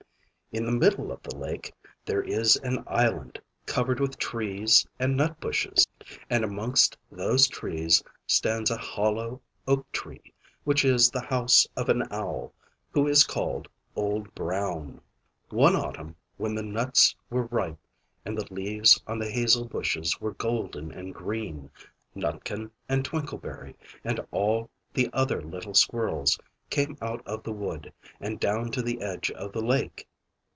In the middle of the lake there is an island covered with trees and nut bushes; and amongst those trees stands a hollow oak tree, which is the house of an owl who is called Old Brown. One autumn when the nuts were ripe, and the leaves on the hazel bushes were golden and green Nutkin and Twinkleberry and all the other little squirrels came out of the wood, and down to the edge of the lake.